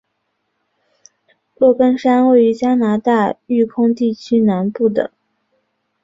洛根山位于加拿大育空地区南部的克鲁瓦尼国家公园及保留地及洛根冰河的源头。